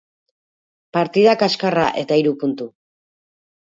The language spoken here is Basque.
Partida kaskarra eta hiru puntu.